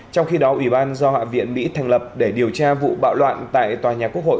trong khi đó ủy ban do hạ viện mỹ thành lập để điều tra vụ bạo loạn tại tòa nhà quốc hội